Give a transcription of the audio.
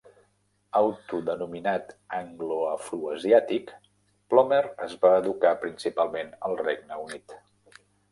Autodenominat "anglo-afroasiàtic", Plomer es va educar principalment al Regne Unit.